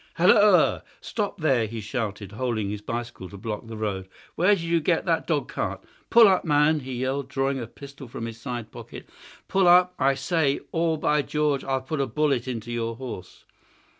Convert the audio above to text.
"Halloa! Stop there!" he shouted, holding his bicycle to block our road. "Where did you get that dog cart? Pull up, man!" he yelled, drawing a pistol from his side pocket. "Pull up, I say, or, by George, I'll put a bullet into your horse."